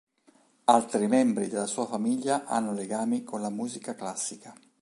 Altri membri della sua famiglia hanno legami con la musica classica.